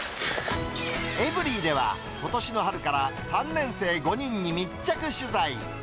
エブリィでは、ことしの春から３年生５人に密着取材。